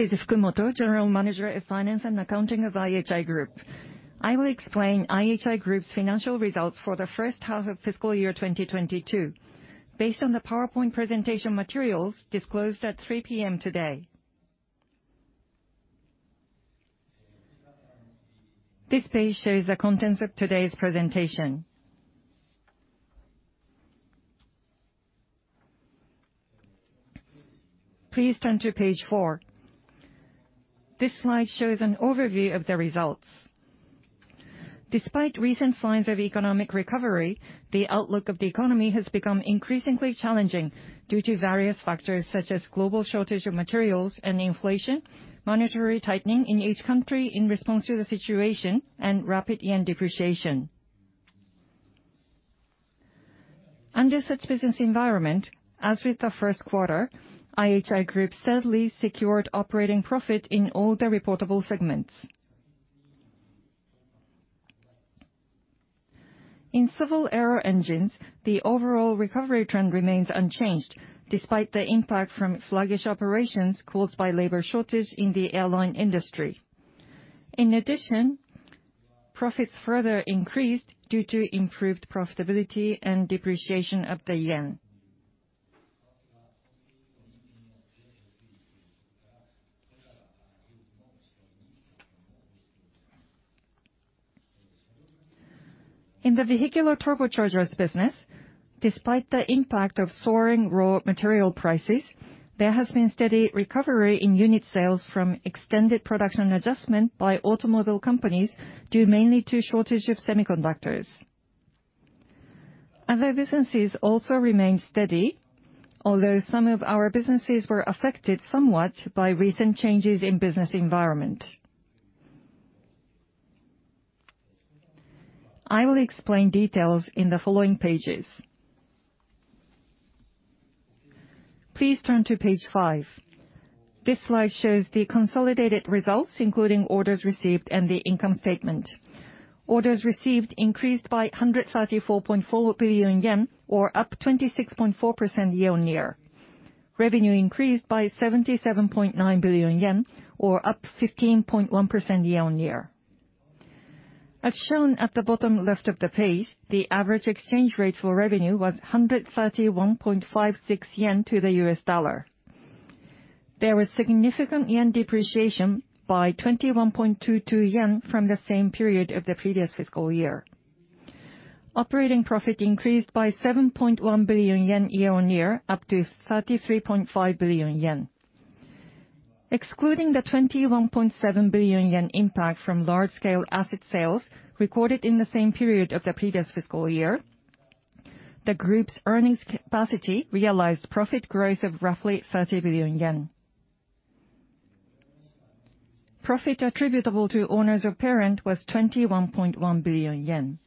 This is Fukumoto, General Manager of Finance and Accounting of IHI Group. I will explain IHI Group's financial results for the first half of fiscal year 2022 based on the PowerPoint presentation materials disclosed at 3:00 P.M. today. This page shows the contents of today's presentation. Please turn to page four. This slide shows an overview of the results. Despite recent signs of economic recovery, the outlook of the economy has become increasingly challenging due to various factors such as global shortage of materials and inflation, monetary tightening in each country in response to the situation, and rapid JPY depreciation. Under such business environment, as with the first quarter, IHI Group steadily secured operating profit in all the reportable segments. In civil aero engines, the overall recovery trend remains unchanged despite the impact from sluggish operations caused by labor shortage in the airline industry. In addition, profits further increased due to improved profitability and depreciation of the JPY. In the vehicular turbochargers business, despite the impact of soaring raw material prices, there has been steady recovery in unit sales from extended production adjustment by automobile companies, due mainly to shortage of semiconductors. Other businesses also remain steady, although some of our businesses were affected somewhat by recent changes in business environment. I will explain details in the following pages. Please turn to page five. This slide shows the consolidated results, including orders received and the income statement. Orders received increased by 134.4 billion yen, or up 26.4% year-on-year. Revenue increased by 77.9 billion yen, or up 15.1% year-on-year. As shown at the bottom left of the page, the average exchange rate for revenue was 131.56 yen to the US dollar. There was significant JPY depreciation by 21.22 yen from the same period of the previous fiscal year. Operating profit increased by 7.1 billion yen year-on-year, up to 33.5 billion yen. Excluding the 21.7 billion yen impact from large-scale asset sales recorded in the same period of the previous fiscal year, the group's earnings capacity realized profit growth of roughly 30 billion yen. Profit attributable to owners of parent was 21.1 billion yen.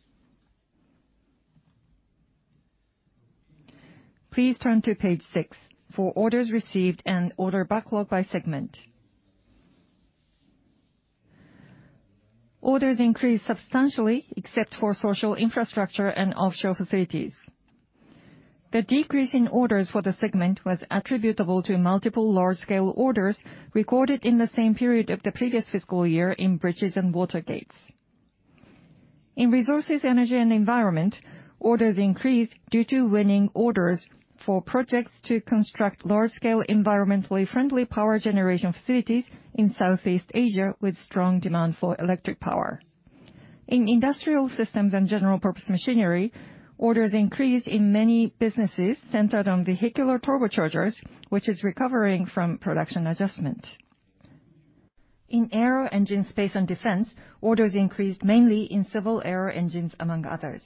Please turn to page six for orders received and order backlog by segment. Orders increased substantially, except for Social Infrastructure and Offshore Facilities. The decrease in orders for the segment was attributable to multiple large-scale orders recorded in the same period of the previous fiscal year in bridges and water gates. In Resources, Energy, and Environment, orders increased due to winning orders for projects to construct large-scale environmentally friendly power generation facilities in Southeast Asia, with strong demand for electric power. In Industrial Systems and General Purpose Machinery, orders increased in many businesses centered on vehicular turbochargers, which is recovering from production adjustment. In Aero Engines, Space, and Defense, orders increased mainly in civil aero engines, among others.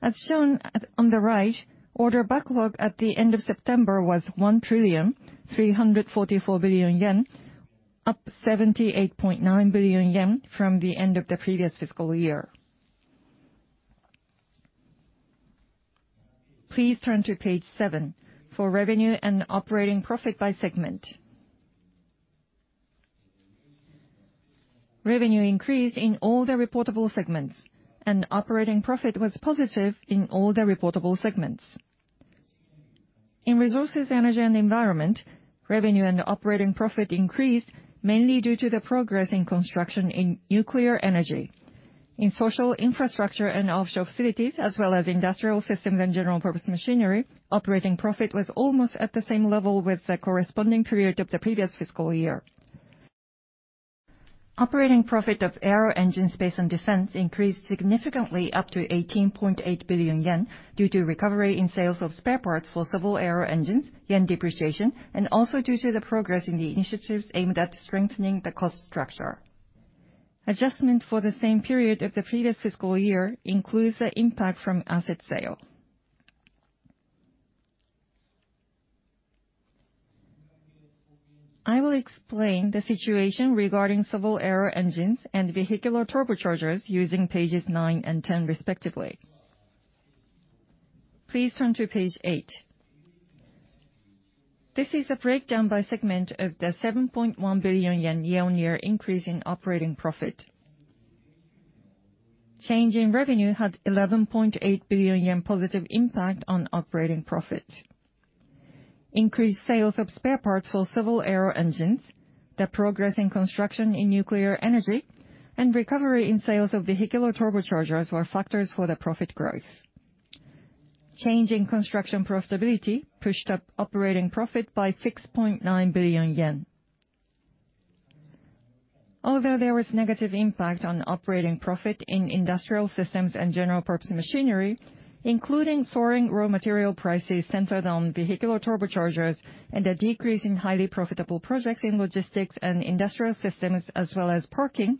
As shown on the right, order backlog at the end of September was 1,344 billion yen, up 78.9 billion yen from the end of the previous fiscal year. Please turn to page seven for revenue and operating profit by segment. Revenue increased in all the reportable segments, and operating profit was positive in all the reportable segments. In Resources, Energy, and Environment, revenue and operating profit increased mainly due to the progress in construction in nuclear energy. In social infrastructure and offshore facilities, as well as Industrial Systems and General-purpose Machinery, operating profit was almost at the same level with the corresponding period of the previous fiscal year. Operating profit of Aero Engines, Space, and Defense increased significantly up to 18.8 billion yen due to recovery in sales of spare parts for civil aero engines, JPY depreciation, and also due to the progress in the initiatives aimed at strengthening the cost structure. Adjustment for the same period of the previous fiscal year includes the impact from asset sale. I will explain the situation regarding civil aero engines and vehicular turbochargers using pages nine and 10 respectively. Please turn to page eight. This is a breakdown by segment of the 7.1 billion yen year-over-year increase in operating profit. Change in revenue had 11.8 billion yen positive impact on operating profit. Increased sales of spare parts for civil aero engines, the progress in construction in nuclear energy, and recovery in sales of vehicular turbochargers were factors for the profit growth. Change in construction profitability pushed up operating profit by 6.9 billion yen. Although there was negative impact on operating profit in industrial systems and general purpose machinery, including soaring raw material prices centered on vehicular turbochargers and a decrease in highly profitable projects in logistics and industrial systems, as well as parking.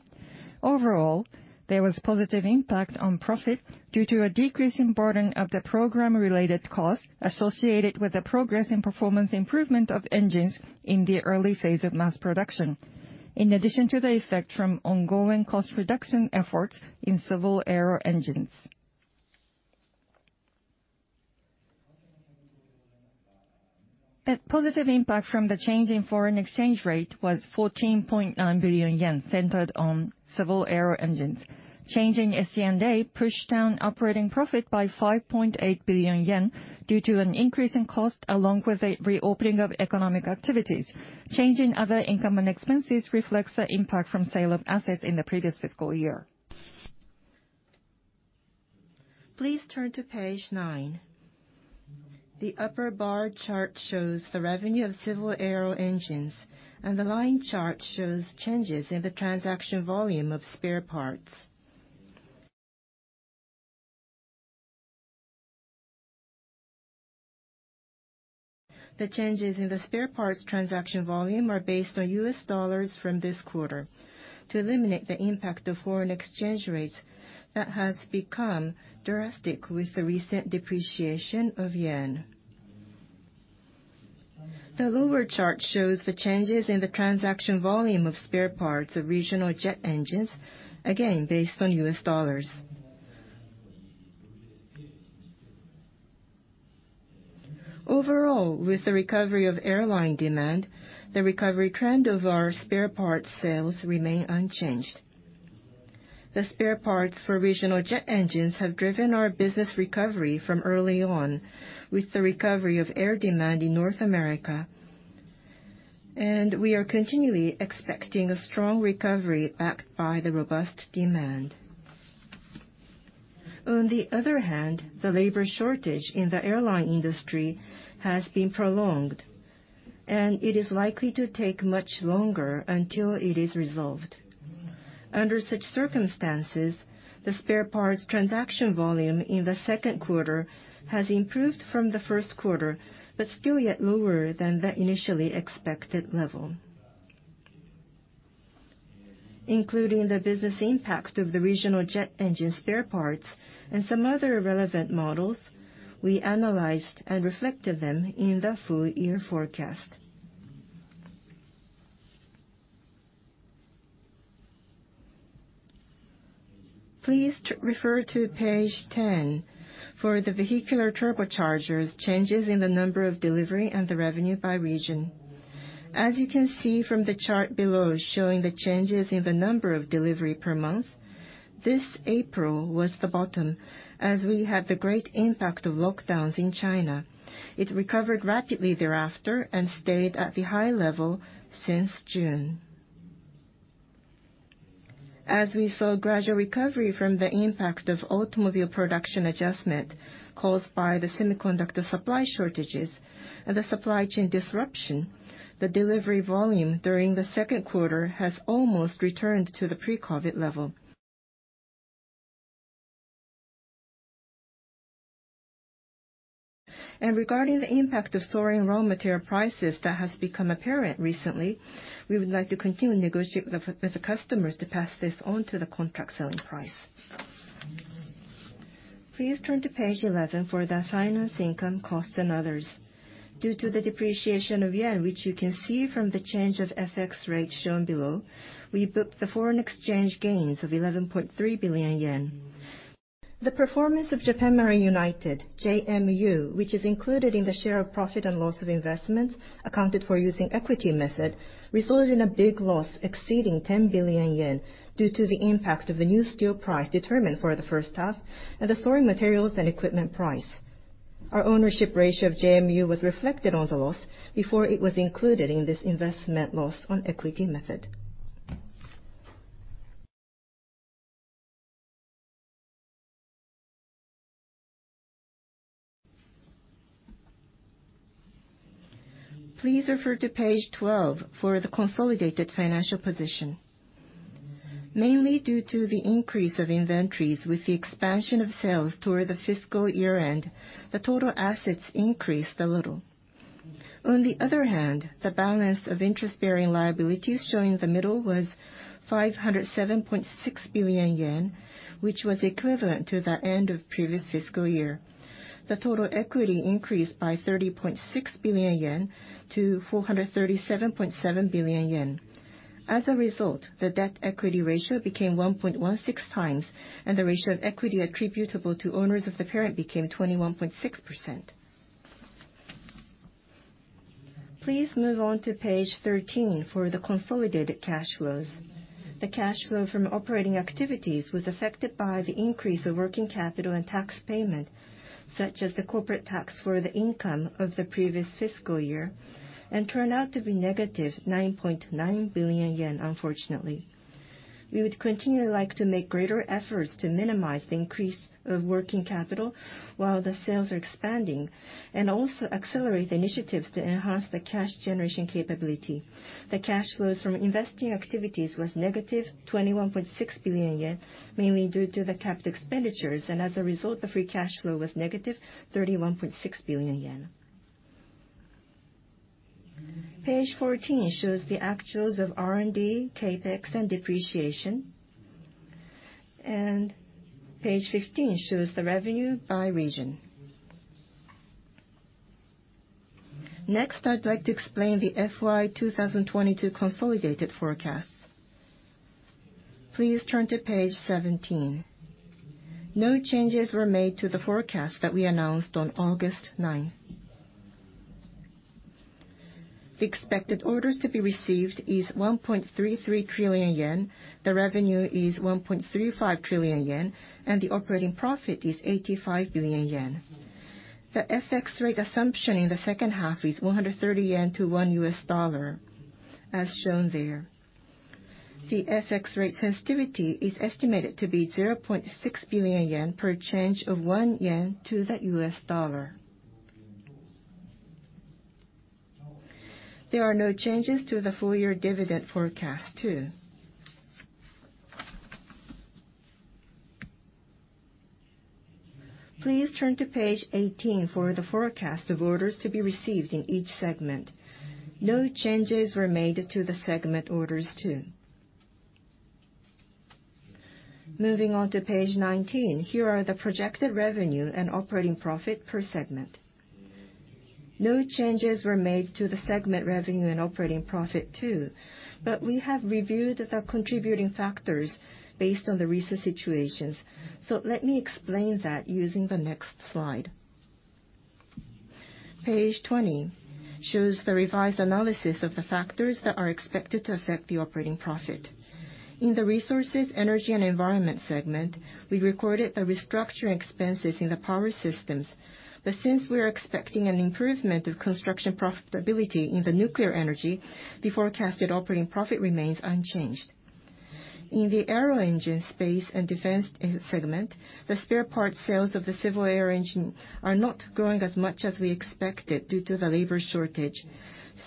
Overall, there was positive impact on profit due to a decrease in burden of the program-related cost associated with the progress and performance improvement of engines in the early phase of mass production. In addition to the effect from ongoing cost reduction efforts in civil aero engines. A positive impact from the change in foreign exchange rate was 14.9 billion yen, centered on civil aero engines. Change in SG&A pushed down operating profit by 5.8 billion yen due to an increase in cost, along with the reopening of economic activities. Change in other income and expenses reflects the impact from sale of assets in the previous fiscal year. Please turn to page nine. The upper bar chart shows the revenue of civil aero engines, and the line chart shows changes in the transaction volume of spare parts. The changes in the spare parts transaction volume are based on US dollars from this quarter to eliminate the impact of foreign exchange rates that has become drastic with the recent depreciation of JPY. The lower chart shows the changes in the transaction volume of spare parts of regional jet engines, again based on US dollars. Overall, with the recovery of airline demand, the recovery trend of our spare parts sales remain unchanged. The spare parts for regional jet engines have driven our business recovery from early on, with the recovery of air demand in North America, and we are continually expecting a strong recovery backed by the robust demand. On the other hand, the labor shortage in the airline industry has been prolonged, and it is likely to take much longer until it is resolved. Under such circumstances, the spare parts transaction volume in the second quarter has improved from the first quarter, but still yet lower than the initially expected level. Including the business impact of the regional jet engine spare parts and some other relevant models, we analyzed and reflected them in the full year forecast. Please refer to page 10 for the vehicular turbochargers changes in the number of delivery and the revenue by region. As you can see from the chart below showing the changes in the number of delivery per month, this April was the bottom as we had the great impact of lockdowns in China. It recovered rapidly thereafter and stayed at the high level since June. As we saw gradual recovery from the impact of automobile production adjustment caused by the semiconductor supply shortages and the supply chain disruption, the delivery volume during the second quarter has almost returned to the pre-COVID level. Regarding the impact of soaring raw material prices that has become apparent recently, we would like to continue negotiating with the customers to pass this on to the contract selling price. Please turn to page 11 for the finance income costs and others. Due to the depreciation of yen, which you can see from the change of FX rates shown below, we booked the foreign exchange gains of 11.3 billion yen. The performance of Japan Marine United, JMU, which is included in the share of profit and loss of investments accounted for using equity method, resulted in a big loss exceeding 10 billion yen due to the impact of the new steel price determined for the first half and the soaring materials and equipment price. Our ownership ratio of JMU was reflected on the loss before it was included in this investment loss on equity method. Please refer to page 12 for the consolidated financial position. Mainly due to the increase of inventories with the expansion of sales toward the fiscal year-end, the total assets increased a little. On the other hand, the balance of interest-bearing liabilities shown in the middle was 507.6 billion yen, which was equivalent to the end of previous fiscal year. The total equity increased by 30.6 billion yen to 437.7 billion yen. As a result, the debt-equity ratio became 1.16 times, and the ratio of equity attributable to owners of the parent became 21.6%. Please move on to page 13 for the consolidated cash flows. The cash flow from operating activities was affected by the increase of working capital and tax payment, such as the corporate tax for the income of the previous fiscal year, and turned out to be negative 9.9 billion yen, unfortunately. We would continue like to make greater efforts to minimize the increase of working capital while the sales are expanding, and also accelerate the initiatives to enhance the cash generation capability. The cash flows from investing activities was negative 21.6 billion yen, mainly due to the cap expenditures, and as a result, the free cash flow was negative 31.6 billion yen. Page 14 shows the actuals of R&D, CapEx, and depreciation. Page 15 shows the revenue by region. Next, I'd like to explain the FY 2022 consolidated forecasts. Please turn to page 17. No changes were made to the forecast that we announced on August 9. The expected orders to be received is 1.33 trillion yen, the revenue is 1.35 trillion yen, and the operating profit is 85 billion yen. The FX rate assumption in the second half is 130 yen to $1 U.S., as shown there. The FX rate sensitivity is estimated to be 0.6 billion yen per change of 1 yen to the U.S. dollar. There are no changes to the full-year dividend forecast, too. Please turn to page 18 for the forecast of orders to be received in each segment. No changes were made to the segment orders, too. Moving on to page 19, here are the projected revenue and operating profit per segment. No changes were made to the segment revenue and operating profit, too. We have reviewed the contributing factors based on the recent situations. Let me explain that using the next slide. Page 20 shows the revised analysis of the factors that are expected to affect the operating profit. In the Resources, Energy, and Environment segment, we recorded the restructuring expenses in the power systems. Since we're expecting an improvement of construction profitability in the nuclear energy, the forecasted operating profit remains unchanged. In the Aero Engine, Space and Defense segment, the spare parts sales of the civil aero engine are not growing as much as we expected due to the labor shortage.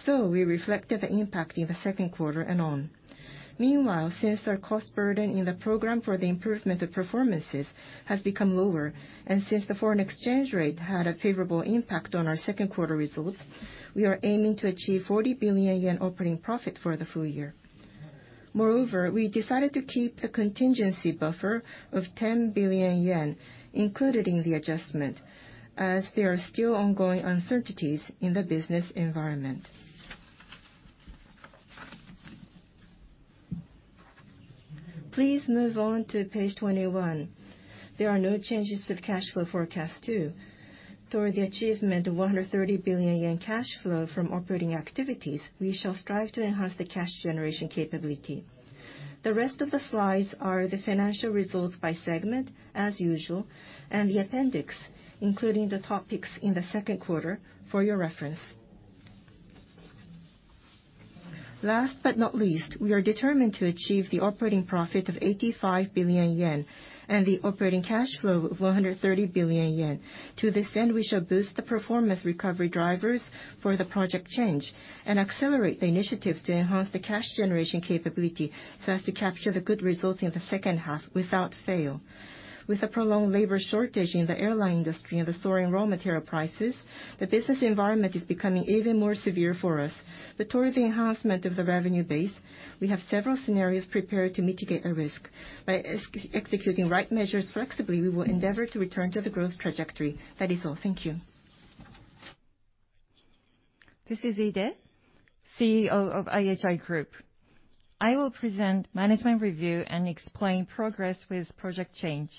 We reflected the impact in the second quarter and on. Meanwhile, since our cost burden in the program for the improvement of performances has become lower, and since the foreign exchange rate had a favorable impact on our second quarter results, we are aiming to achieve 40 billion yen operating profit for the full year. Moreover, we decided to keep a contingency buffer of 10 billion yen included in the adjustment, as there are still ongoing uncertainties in the business environment. Please move on to page 21. There are no changes to the cash flow forecast, too. Toward the achievement of 130 billion yen cash flow from operating activities, we shall strive to enhance the cash generation capability. The rest of the slides are the financial results by segment, as usual, and the appendix, including the topics in the second quarter for your reference. Last but not least, we are determined to achieve the operating profit of 85 billion yen and the operating cash flow of 130 billion yen. To this end, we shall boost the performance recovery drivers for the Project Change and accelerate the initiatives to enhance the cash generation capability, so as to capture the good results in the second half without fail. With a prolonged labor shortage in the airline industry and the soaring raw material prices, the business environment is becoming even more severe for us. Toward the enhancement of the revenue base, we have several scenarios prepared to mitigate a risk. By executing the right measures flexibly, we will endeavor to return to the growth trajectory. That is all. Thank you. This is Ide, CEO of IHI Group. I will present management review and explain progress with Project Change.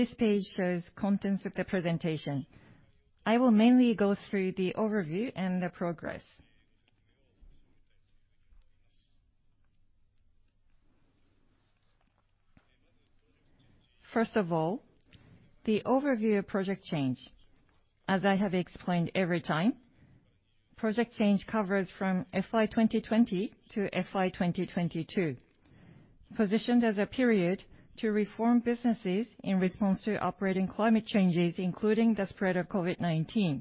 This page shows contents of the presentation. I will mainly go through the overview and the progress. First of all, the overview of Project Change. As I have explained every time, Project Change covers from FY 2020 to FY 2022, positioned as a period to reform businesses in response to operating climate changes, including the spread of COVID-19.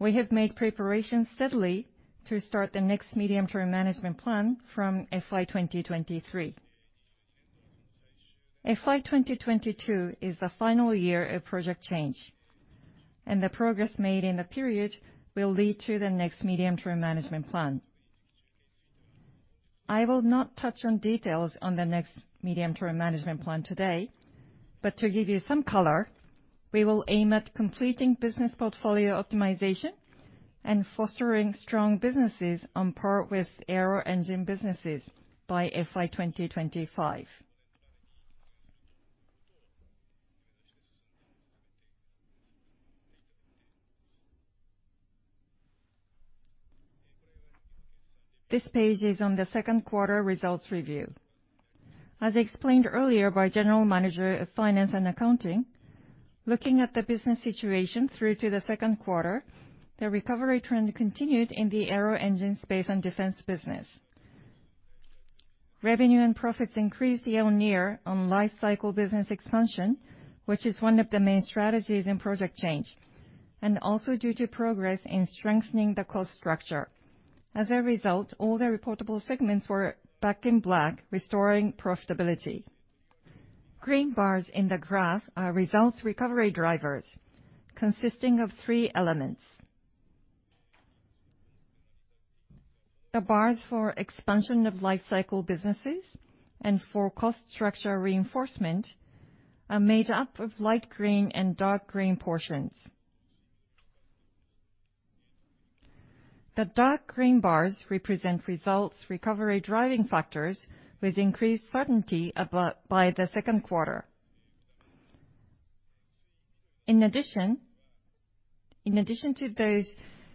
We have made preparations steadily to start the next medium-term management plan from FY 2023. FY 2022 is the final year of Project Change, the progress made in the period will lead to the next medium-term management plan. I will not touch on details on the next medium-term management plan today. To give you some color, we will aim at completing business portfolio optimization and fostering strong businesses on par with Aero Engine businesses by FY 2025. This page is on the second quarter results review. As explained earlier by General Manager of Finance and Accounting, looking at the business situation through to the second quarter, the recovery trend continued in the Aero Engine Space and Defense Business. Revenue and profits increased year-on-year on lifecycle business expansion, which is one of the main strategies in Project Change, also due to progress in strengthening the cost structure. As a result, all the reportable segments were back in black, restoring profitability. Green bars in the graph are results recovery drivers consisting of three elements. The bars for expansion of lifecycle businesses and for cost structure reinforcement are made up of light green and dark green portions. The dark green bars represent results recovery driving factors with increased certainty by the second quarter. In addition to those,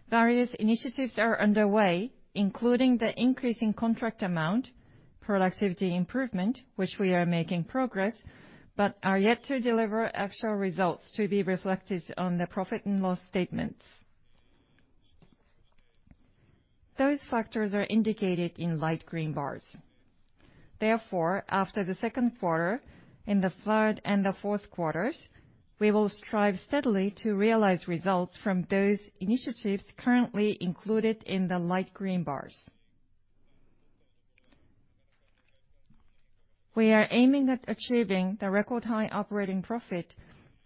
various initiatives are underway, including the increase in contract amount, productivity improvement, which we are making progress, but are yet to deliver actual results to be reflected on the profit and loss statements. Those factors are indicated in light green bars. After the second quarter, in the third and the fourth quarters, we will strive steadily to realize results from those initiatives currently included in the light green bars. We are aiming at achieving the record high operating profit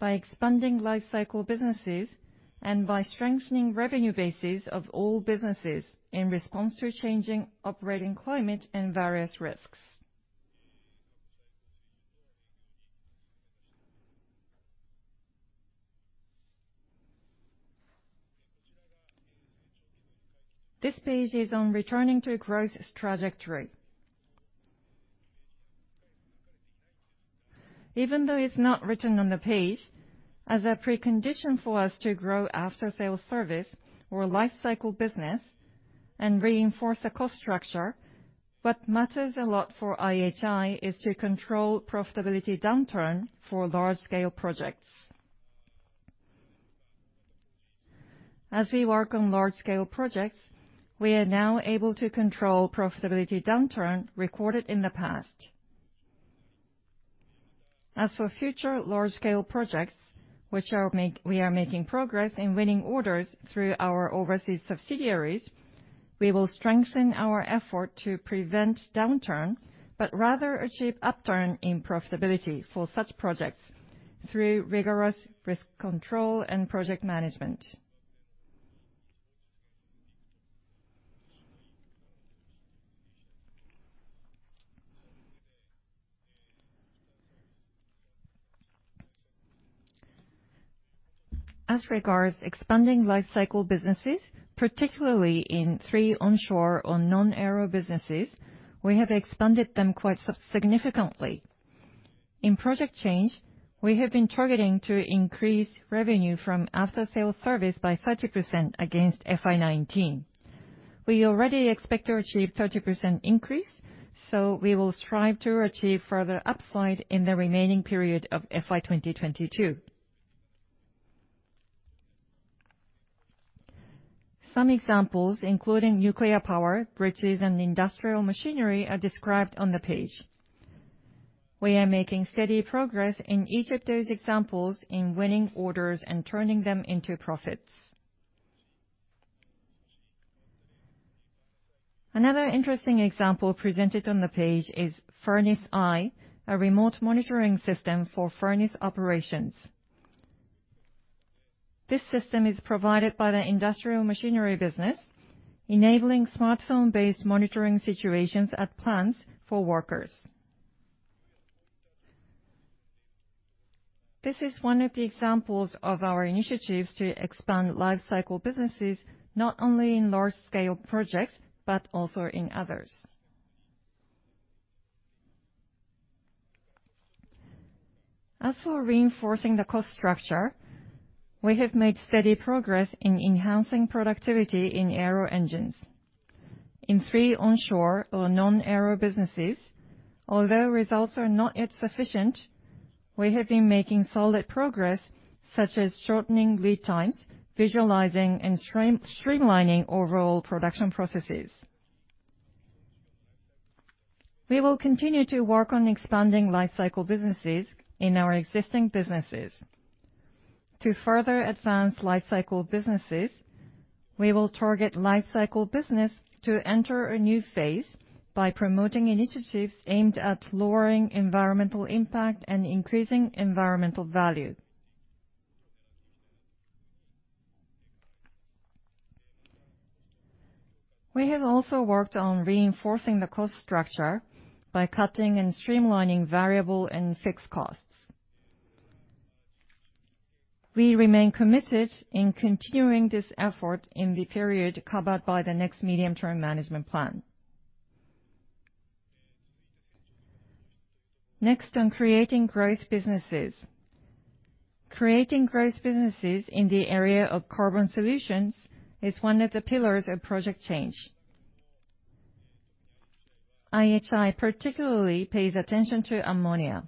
by expanding lifecycle businesses and by strengthening revenue bases of all businesses in response to changing operating climate and various risks. This page is on returning to a growth trajectory. Even though it's not written on the page, as a precondition for us to grow after sales service or lifecycle business and reinforce the cost structure, what matters a lot for IHI is to control profitability downturn for large scale projects. As we work on large scale projects, we are now able to control profitability downturn recorded in the past. As for future large scale projects, which we are making progress in winning orders through our overseas subsidiaries, we will strengthen our effort to prevent downturn, but rather achieve upturn in profitability for such projects through rigorous risk control and project management. As regards expanding lifecycle businesses, particularly in three onshore or non-aero businesses, we have expanded them quite significantly. In Project Change, we have been targeting to increase revenue from after-sales service by 30% against FY 2019. We already expect to achieve 30% increase, we will strive to achieve further upside in the remaining period of FY 2022. Some examples, including nuclear power, bridges, and industrial machinery, are described on the page. We are making steady progress in each of those examples in winning orders and turning them into profits. Another interesting example presented on the page is Furnace Eye, a remote monitoring system for furnace operations. This system is provided by the industrial machinery business, enabling smartphone-based monitoring situations at plants for workers. This is one of the examples of our initiatives to expand lifecycle businesses, not only in large scale projects, but also in others. As for reinforcing the cost structure, we have made steady progress in enhancing productivity in Aero Engines. In three onshore or non-aero businesses, although results are not yet sufficient, we have been making solid progress, such as shortening lead times, visualizing and streamlining overall production processes. We will continue to work on expanding lifecycle businesses in our existing businesses. To further advance lifecycle businesses, we will target lifecycle business to enter a new phase by promoting initiatives aimed at lowering environmental impact and increasing environmental value. We have also worked on reinforcing the cost structure by cutting and streamlining variable and fixed costs. We remain committed in continuing this effort in the period covered by the next medium-term management plan. Next, on creating growth businesses. Creating growth businesses in the area of carbon solutions is one of the pillars of Project Change. IHI particularly pays attention to ammonia.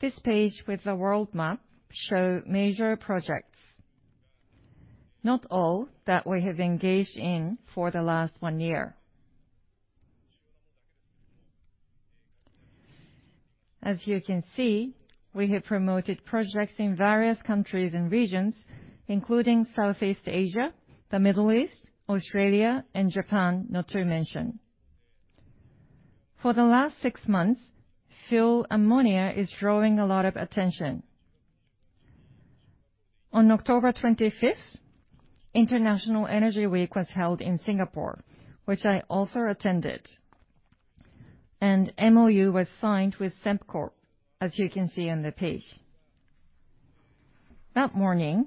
This page with the world map shows major projects, not all that we have engaged in for the last one year. As you can see, we have promoted projects in various countries and regions, including Southeast Asia, the Middle East, Australia, and Japan, not to mention. For the last six months, fuel ammonia is drawing a lot of attention. On October 25th, International Energy Week was held in Singapore, which I also attended, and an MOU was signed with Sembcorp, as you can see on the page. That morning,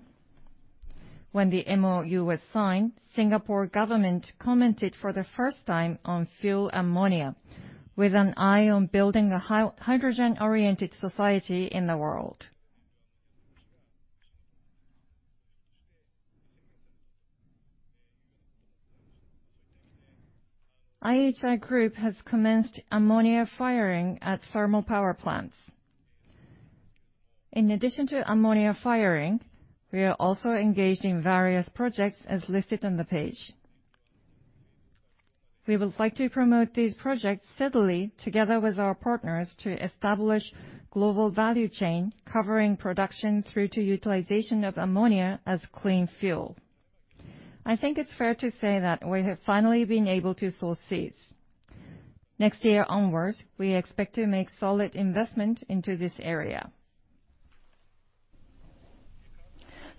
when the MOU was signed, Singapore government commented for the first time on fuel ammonia, with an eye on building a hydrogen-oriented society in the world. IHI Group has commenced ammonia firing at thermal power plants. In addition to ammonia firing, we are also engaged in various projects as listed on the page. We would like to promote these projects steadily together with our partners to establish global value chain, covering production through to utilization of ammonia as clean fuel. I think it's fair to say that we have finally been able to sow seeds. Next year onwards, we expect to make solid investment into this area.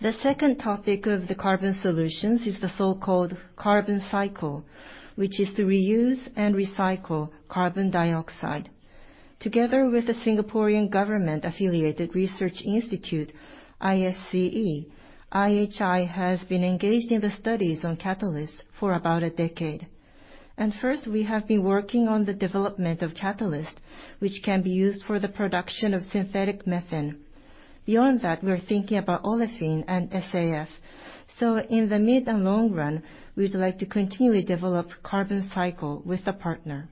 The second topic of the carbon solutions is the so-called carbon cycle, which is to reuse and recycle carbon dioxide. Together with the Singaporean government-affiliated research institute, ISCE, IHI has been engaged in the studies on catalysts for about a decade. First, we have been working on the development of catalyst, which can be used for the production of synthetic methane. Beyond that, we are thinking about olefin and SAF. In the mid and long run, we would like to continually develop carbon cycle with a partner.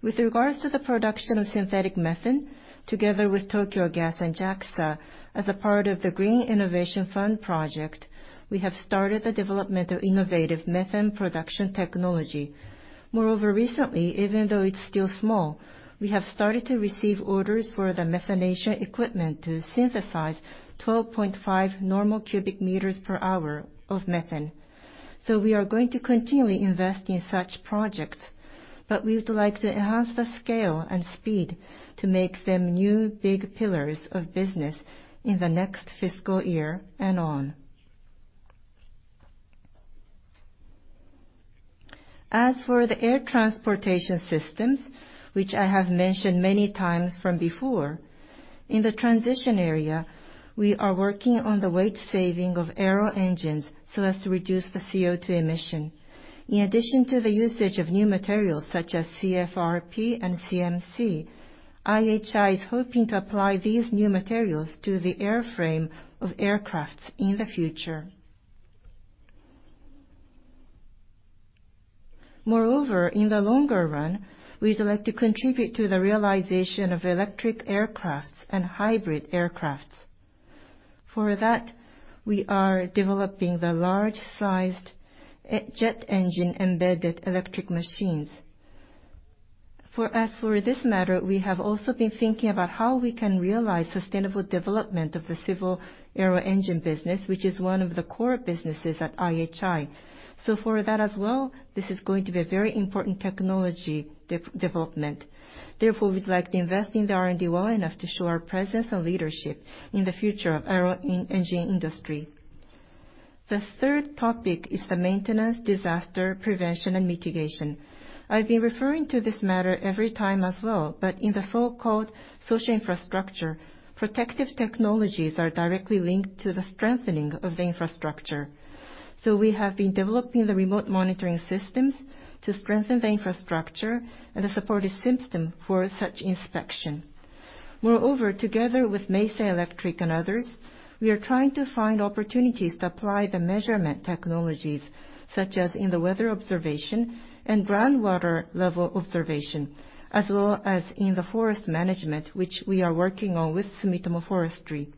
With regards to the production of synthetic methane, together with Tokyo Gas and JAXA, as a part of the Green Innovation Fund project, we have started the development of innovative methane production technology. Moreover, recently, even though it's still small, we have started to receive orders for the methanation equipment to synthesize 12.5 normal cubic meters per hour of methane. We are going to continually invest in such projects, but we would like to enhance the scale and speed to make them new big pillars of business in the next fiscal year and on. As for the air transportation systems, which I have mentioned many times from before, in the transition area, we are working on the weight saving of aero engines so as to reduce the CO2 emission. In addition to the usage of new materials such as CFRP and CMC, IHI is hoping to apply these new materials to the airframe of aircraft in the future. Moreover, in the longer run, we would like to contribute to the realization of electric aircraft and hybrid aircraft. For that, we are developing the large-sized jet engine-embedded electric machines. As for this matter, we have also been thinking about how we can realize sustainable development of the civil aero engine business, which is one of the core businesses at IHI. For that as well, this is going to be a very important technology development. Therefore, we'd like to invest in the R&D well enough to show our presence and leadership in the future of aero engine industry. The third topic is the maintenance, disaster prevention, and mitigation. I've been referring to this matter every time as well, but in the so-called social infrastructure, protective technologies are directly linked to the strengthening of the infrastructure. We have been developing the remote monitoring systems to strengthen the infrastructure and a supportive system for such inspection. Moreover, together with Meisei Electric and others, we are trying to find opportunities to apply the measurement technologies, such as in the weather observation and groundwater level observation, as well as in the forest management, which we are working on with Sumitomo Forestry.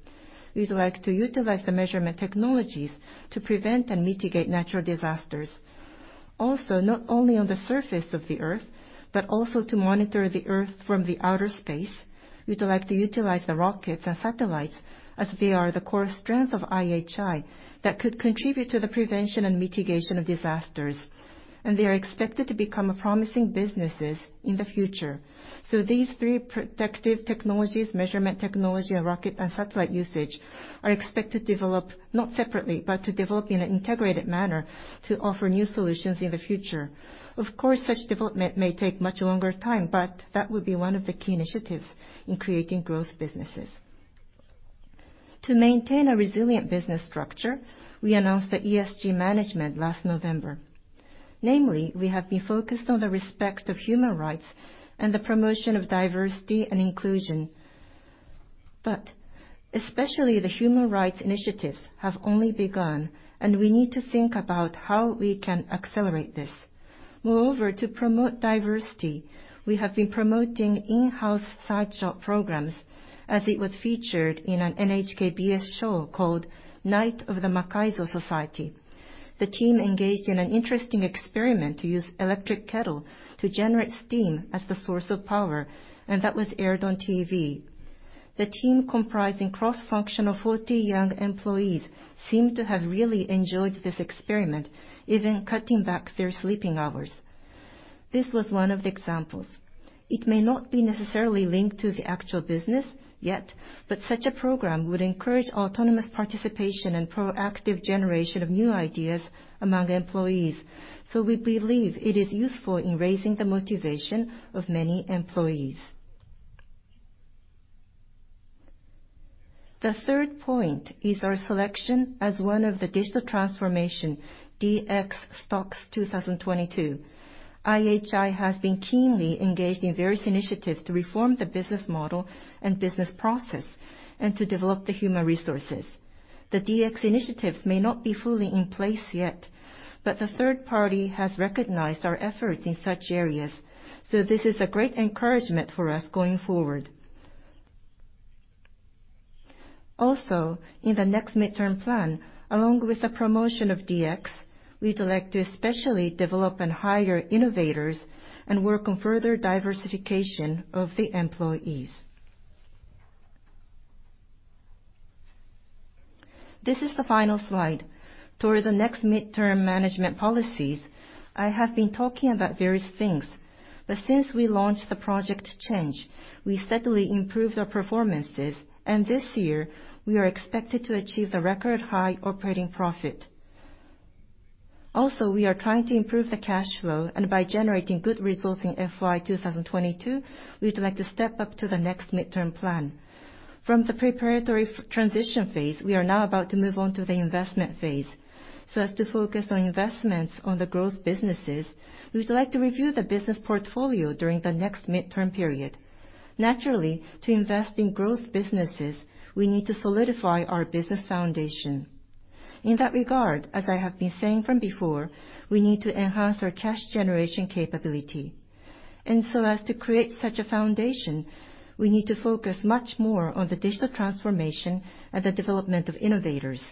We would like to utilize the measurement technologies to prevent and mitigate natural disasters. Also, not only on the surface of the Earth, but also to monitor the Earth from the outer space. We would like to utilize the rockets and satellites as they are the core strength of IHI that could contribute to the prevention and mitigation of disasters, and they are expected to become promising businesses in the future. These three protective technologies, measurement technology, and rocket and satellite usage, are expected to develop not separately, but to develop in an integrated manner to offer new solutions in the future. Of course, such development may take much longer time, but that would be one of the key initiatives in creating growth businesses. To maintain a resilient business structure, we announced the ESG management last November. Namely, we have been focused on the respect of human rights and the promotion of diversity and inclusion. Especially the human rights initiatives have only begun, and we need to think about how we can accelerate this. To promote diversity, we have been promoting in-house side job programs, as it was featured in an NHK BS show called Night of the Makaizo Society. The team engaged in an interesting experiment to use electric kettle to generate steam as the source of power, and that was aired on TV. The team, comprising cross-functional 40 young employees, seemed to have really enjoyed this experiment, even cutting back their sleeping hours. This was one of the examples. It may not be necessarily linked to the actual business yet, but such a program would encourage autonomous participation and proactive generation of new ideas among employees. We believe it is useful in raising the motivation of many employees. The third point is our selection as one of the Digital Transformation Stocks (DX Stocks) 2022. IHI has been keenly engaged in various initiatives to reform the business model and business process and to develop the human resources. The DX initiatives may not be fully in place yet, but the third party has recognized our efforts in such areas. This is a great encouragement for us going forward. In the next midterm plan, along with the promotion of DX, we'd like to especially develop and hire innovators and work on further diversification of the employees. This is the final slide. Toward the next midterm management policies, I have been talking about various things. Since we launched the Project Change, we steadily improved our performances, and this year, we are expected to achieve the record high operating profit. We are trying to improve the cash flow, and by generating good results in FY 2022, we'd like to step up to the next midterm plan. From the preparatory transition phase, we are now about to move on to the investment phase. As to focus on investments on the growth businesses, we'd like to review the business portfolio during the next midterm period. To invest in growth businesses, we need to solidify our business foundation. In that regard, as I have been saying from before, we need to enhance our cash generation capability. As to create such a foundation, we need to focus much more on the digital transformation and the development of innovators.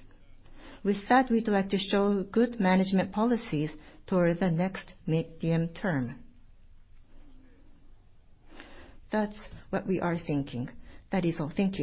With that, we'd like to show good management policies toward the next midterm. That's what we are thinking. That is all. Thank you.